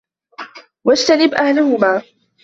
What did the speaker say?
وَاجْتَنِبْ أَهْلَهُمَا